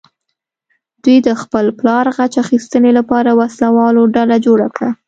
دوی د خپل پلار غچ اخیستنې لپاره وسله واله ډله جوړه کړه.